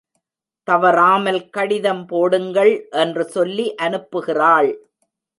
தவறாமல் கடிதம் போடுங்கள் என்று சொல்லி அனுப்புகிறாள்.